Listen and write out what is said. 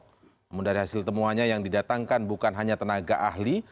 namun dari hasil temuannya yang didatangkan bukan hanya tenaga ahli